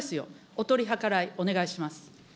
お取り計らい、お願いします。